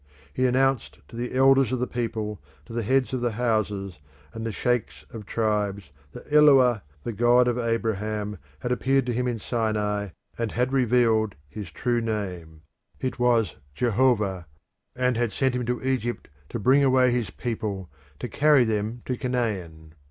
He announced to the elders of the people, to the heads of houses and the sheikhs of tribes, that Eloah, the God of Abraham, had appeared to him in Sinai and had revealed his true name it was Jehovah and had sent him to Egypt to bring away his people, to carry them to Canaan.